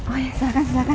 oh iya silahkan silahkan